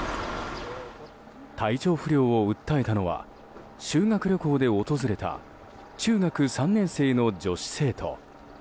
体調不良を訴えたのは修学旅行で訪れた中学３年生の女子生徒。